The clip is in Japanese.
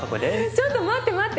ちょっと待って待って。